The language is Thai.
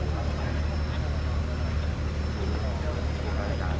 สวัสดีทุกคนสวัสดีทุกคน